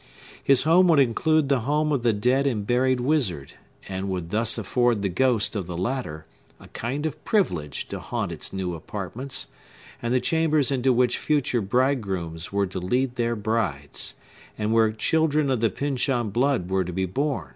His home would include the home of the dead and buried wizard, and would thus afford the ghost of the latter a kind of privilege to haunt its new apartments, and the chambers into which future bridegrooms were to lead their brides, and where children of the Pyncheon blood were to be born.